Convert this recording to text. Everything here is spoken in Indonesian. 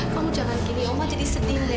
kamu jangan gini ma jadi sedih